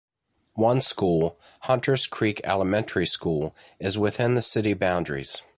One school, Hunters Creek Elementary School, is within the city boundaries.